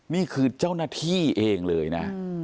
นี่คือเจ้าหน้าที่เองเลยนะ